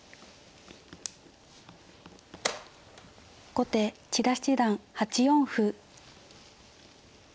後手千田七段８四歩。